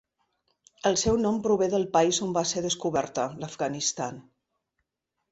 El seu nom prové del país on va ser descoberta, l'Afganistan.